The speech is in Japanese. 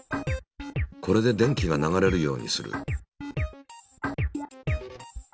これで電気が流れるようにする。